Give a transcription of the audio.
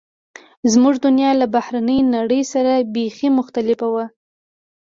زموږ دنیا له بهرنۍ نړۍ سره بیخي مختلفه وه